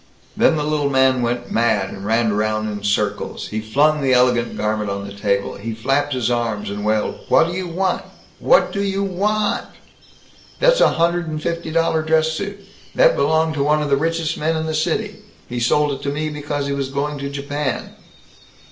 Then the little man went mad and ran around in circles. He flung the ellllegant garment on the table. He flapped his arms, and wailed, "What do you vant? What do you vannnnt? That's a hundred and fifty dollar dress suit! That belonged to one of the richest men in the city. He sold it to me because he was going to Japan."